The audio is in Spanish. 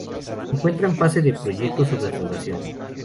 Se encuentra en fase de proyecto su restauración.